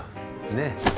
ねえ。